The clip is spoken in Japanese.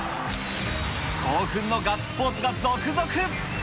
興奮のガッツポーズが続々。